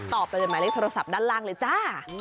ติดต่อไปหมายเลขโทรศัพท์ด้านล่างเลยจ้า